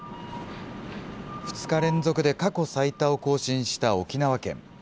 ２日連続で過去最多を更新した沖縄県。